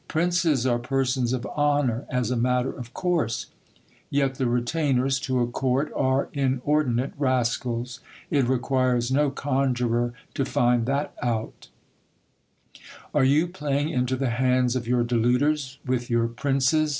Princes are persons of honour as a matter of course ; yet the retainers to a court are inordinate rascals ; it requires no conjurer to find that out Are you playing into the hands of your deluders, with your princes